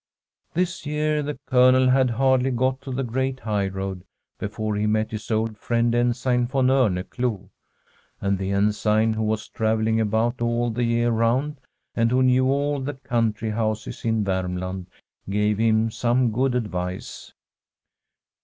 This year the Colonel had hardly got to the great highroad before he met his old friend En sign von Orneclou. And the Ensign, who was travelling about all the year round, and who knew all the country houses in Varmland, gave him some good advice.